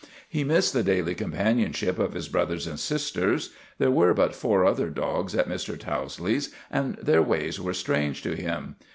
He missed the daily companionship of his brothers and sisters. There were but four other dogs at Mr. Towsley's, and their ways were strange to him.